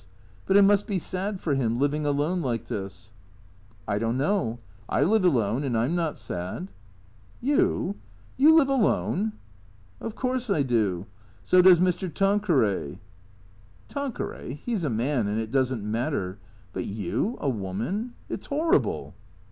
But it must be sad for him — living alone like this." " I don't know. I live alone and I 'm not sad." " You ? You live alone ?"" Of course I do. So does Mr. Tanqueray." " Tanqueray. He 's a man, and it does n't matter. But you, a woman It 's horrible."